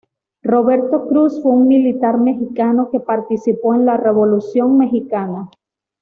Roberto Cruz fue un militar mexicano que participó en la Revolución mexicana.